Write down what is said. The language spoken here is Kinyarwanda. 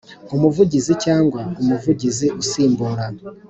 Umuvugizi cyangwa Umuvugizi usimbura